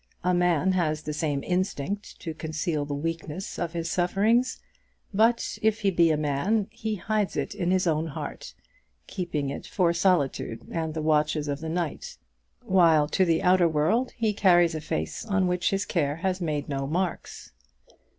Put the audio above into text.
A man has the same instinct to conceal the weakness of his sufferings; but, if he be a man, he hides it in his own heart, keeping it for solitude and the watches of the night, while to the outer world he carries a face on which his care has made no marks.